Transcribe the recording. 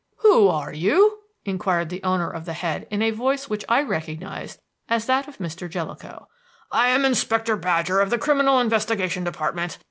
"Who are you?" inquired the owner of the head in a voice which I recognized as that of Mr. Jellicoe. "I am Inspector Badger of the Criminal Investigation Department.